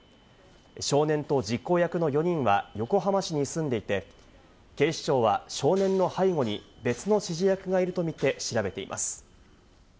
少年と実行役の４人は横浜市に住んでいて、警視庁は少年の背後に別の指示役がいるとみて調べています。